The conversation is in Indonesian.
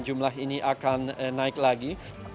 jumlah ini akan naik lagi